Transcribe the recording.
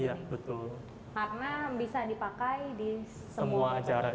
ya betul karena bisa dipakai di semua tempat